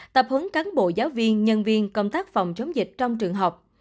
tập hứng cán bộ giáo viên nhân viên công tác phòng chống dịch trong trường học